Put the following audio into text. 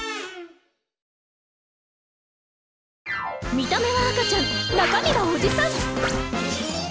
見た目は赤ちゃん中身はおじさん！